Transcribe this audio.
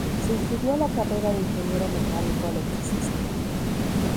Se inscribió a la carrera de Ingeniero Mecánico Electricista.